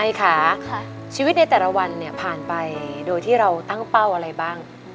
ค่ะชีวิตในแต่ละวันเนี่ยผ่านไปโดยที่เราตั้งเป้าอะไรบ้าง